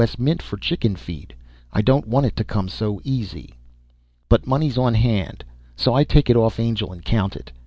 S. Mint for chickenfeed, I don't want it to come so easy. But money's on hand, so I take it off Angel and count it.